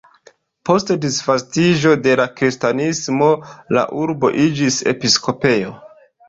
Post disvolviĝo de la kristanismo la urbo iĝis episkopejo.